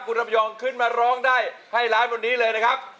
คุณอำยองขึ้นมาร้องได้ให้ล้านวันนี้เลยนะครับ